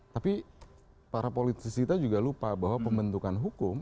tapi para politisi kita juga lupa bahwa pembentukan hukum